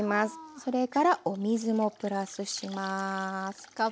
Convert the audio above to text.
それからお水もプラスします。